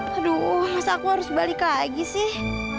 aduh mas aku harus balik lagi sih